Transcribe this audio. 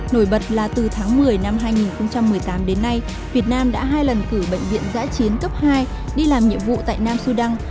nổi bật là từ tháng một mươi năm hai nghìn một mươi tám đến nay việt nam đã hai lần cử bệnh viện giã chiến cấp hai đi làm nhiệm vụ tại nam sudan